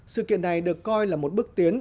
sự kiện này được coi là một bước tiến